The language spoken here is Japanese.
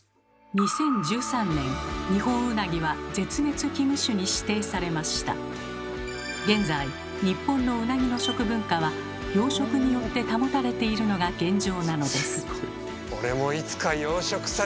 ２０１３年ニホンウナギは現在日本のウナギの食文化は養殖によって保たれているのが現状なのです。